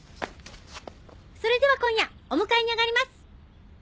それでは今夜お迎えにあがります！